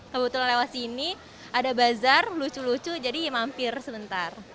kebetulan lewat sini ada bazar lucu lucu jadi mampir sebentar